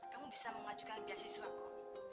kamu bisa memajukan biasiswa kok